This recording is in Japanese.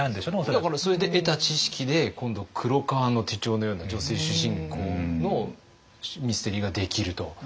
だからそれで得た知識で今度「黒革の手帖」のような女性主人公のミステリーができると。